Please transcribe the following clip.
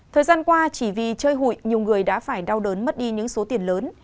thời gian qua chỉ vì chơi hụi nhiều người đã phải đau đớn mất đi những số tiền lớn